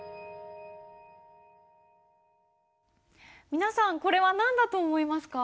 皆さんこれは何だと思いますか？